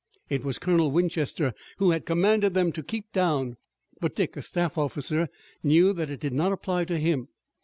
It was Colonel Winchester who had commanded them to keep down, but Dick, a staff officer, knew that it did not apply to him.